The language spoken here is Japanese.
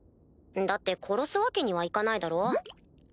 だって殺すわけにはいかないだろ？